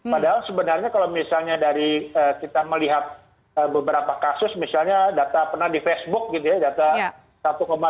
padahal sebenarnya kalau misalnya dari kita melihat beberapa kasus misalnya data pernah di facebook gitu ya data